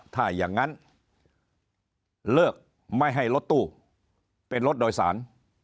ถ้าอย่างนั้นเลิกไม่ให้รถตู้เป็นรถโดยสาร